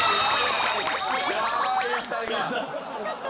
ちょっと。